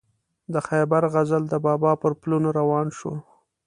د خیبر غزل د بابا پر پلونو روان شو.